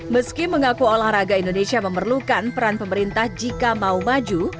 meski mengaku olahraga indonesia memerlukan peran pemerintah jika mau maju